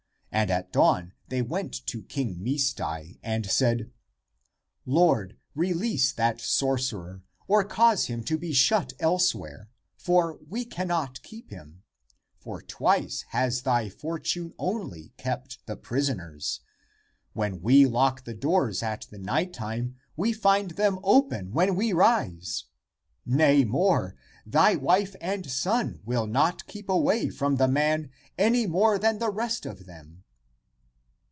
And at dawn they went to King Misdai and said, " Lord, release that sorcerer, or cause him to be shut else ' where. <For we , cannot keep him.> For twice has thy fortune (only) kept the prisoners. When we lock the doors at the night time, we find them opened when we rise. Nay, more; thy wife and son will not keep away from the man any more than the rest of them."